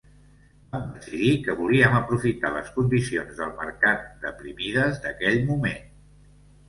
Vam decidir que volíem aprofitar les condicions del mercat deprimides d'aquell moment.